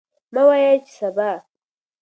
مه وایئ چې سبا.